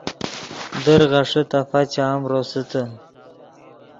در غیݰے تفا چام روسیتے